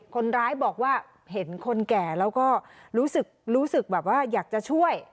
คนร้ายบอกว่าเห็นคนแก่แล้วก็รู้สึกแบบว่าอยากจะช่วย